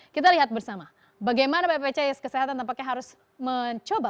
kita lihat bersama bagaimana bpjs kesehatan tampaknya harus mencoba